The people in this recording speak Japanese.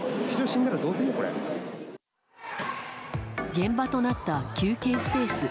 現場となった休憩スペース。